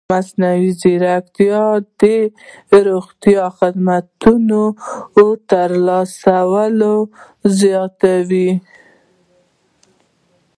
مصنوعي ځیرکتیا د روغتیايي خدماتو لاسرسی زیاتوي.